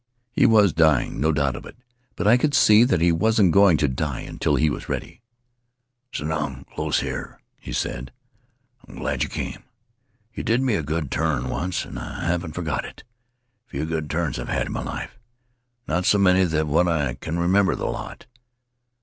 He was dying — no doubt of it, but I could see that he wasn't going to die until he was ready. "'Sit down close here,' he said. 'I'm glad you came. You did me a good turn once and I haven't forgot it. Few good turns I've had in my life. Not so many but what I can remember the lot.'